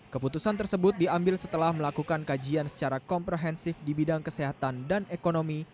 keputusan tersebut diambil setelah melakukan kajian secara komprehensif di bidang kesehatan dan ekonomi